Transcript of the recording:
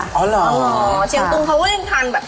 อ๋อเหรอเชียงตรงเขาก็ได้ทานแบบ